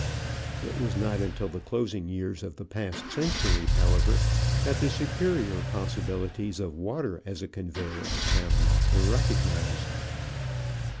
It was not until the closing years of the past century, however, that the superior possibilities of water as a conveyer of sound were recognized.